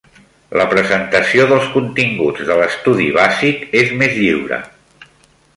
La presentació dels continguts de l'Estudi Bàsic és més lliure.